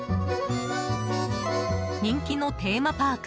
人気のテーマパーク